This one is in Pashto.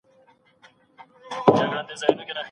که ډاکټره ونه غواړي، اوږده پاڼه به ړنګه نه کړي.